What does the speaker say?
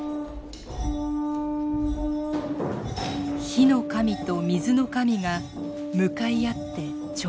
火の神と水の神が向かい合って跳躍します。